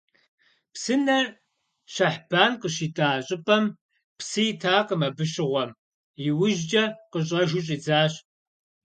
Псынэр Шэхьбан къыщитӀа щӀыпӀэм псы итакъым абы щыгъуэм, иужькӀэ къыщӀэжу щӀидзащ.